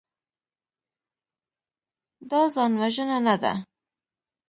دا ځانوژنه نه ده.